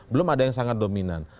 belum ada yang sangat dominan